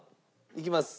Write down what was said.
いきます。